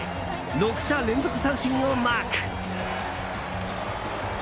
６者連続三振をマーク。